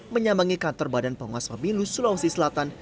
menyambangi kantor badan penguas pemilu sulawesi selatan